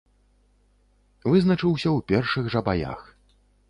Вызначыўся ў першых жа баях.